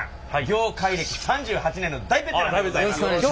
業界歴３８年の大ベテランでございます。